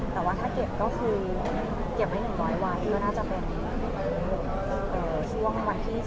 แต่ว่าถ้าเก็บก็คือเก็บไว้๑๐๐วันก็น่าจะเป็นช่วงวันที่๓